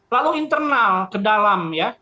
lalu internal ke dalam ya